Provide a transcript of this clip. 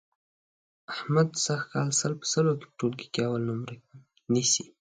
احمد سږ کال سل په سلو کې په ټولګي کې اول نمرګي نیسي.